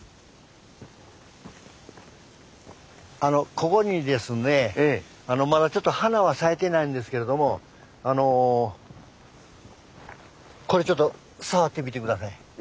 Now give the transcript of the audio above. ここにですねまだちょっと花は咲いてないんですけれどもこれちょっと触ってみて下さい。